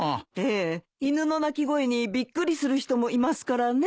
ええ犬の鳴き声にびっくりする人もいますからね。